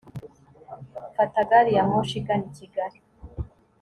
Fata gari ya moshi igana i kigali